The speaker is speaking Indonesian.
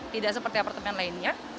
tidak seperti apartemen lainnya